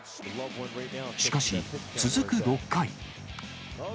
しかし、続く６回。